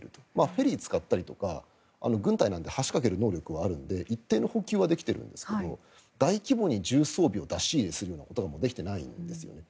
フェリーを使ったりとか軍隊なので橋を架ける能力はあるので一定の補給はできてるんですけど大規模に重装備を出し入れすることはもうできてないんですね。